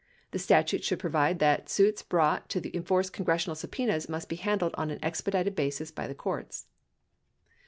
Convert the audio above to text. The statute should provide that suits brought to enforce congressional subpenas must be handled on an expedited basis by the courts.